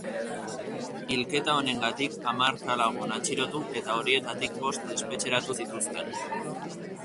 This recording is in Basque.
Hilketa honengatik hamarka lagun atxilotu eta horietatik bost espetxeratu zituzten.